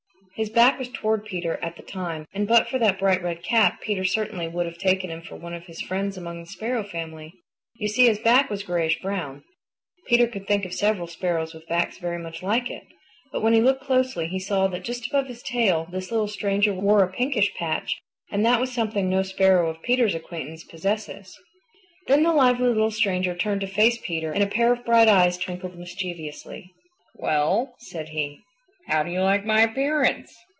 His back was toward Peter at the time and but for that bright red cap Peter certainly would have taken him for one of his friends among the Sparrow family. You see his back was grayish brown. Peter could think of several Sparrows with backs very much like it. But when he looked closely he saw that just above his tail this little stranger wore a pinkish patch, and that was something no Sparrow of Peter's acquaintance possesses. Then the lively little stranger turned to face Peter and a pair of bright eyes twinkled mischievously. "Well," said he, "how do you like my appearance?